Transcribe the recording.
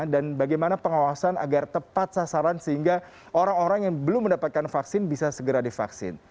dan bagaimana pengawasan agar tepat sasaran sehingga orang orang yang belum mendapatkan vaksin bisa segera divaksin